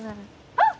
あっ！